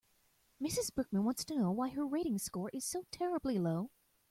Mrs Brickman wants to know why her rating score is so terribly low.